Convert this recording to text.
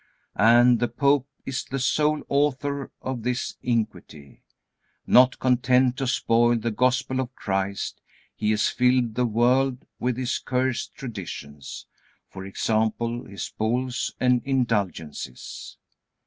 And the Pope is the sole author of this iniquity. Not content to spoil the Gospel of Christ, he has filled the world with his cursed traditions, e.g., his bulls and indulgences.